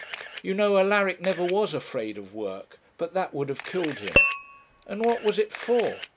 You know Alaric never was afraid of work; but that would have killed him. And what was it for?